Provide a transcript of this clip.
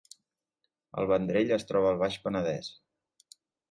El Vendrell es troba al Baix Penedès